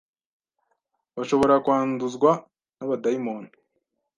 bashobora kwanduzwa n'abadayimoni